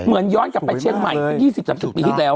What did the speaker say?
ย้อนกลับไปเชียงใหม่สัก๒๐๓๐ปีที่แล้ว